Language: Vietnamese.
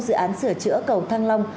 dự án sửa chữa cầu thăng long